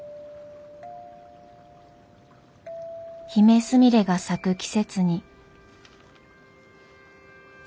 ヒメスミレが咲く季節に。